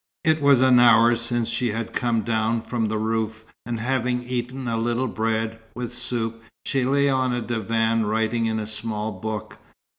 It was an hour since she had come down from the roof, and having eaten a little bread, with soup, she lay on a divan writing in a small book.